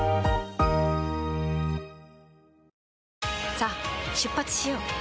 さあ出発しよう。